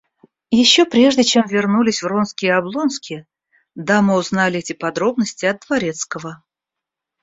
Еще прежде чем вернулись Вронский и Облонский, дамы узнали эти подробности от дворецкого.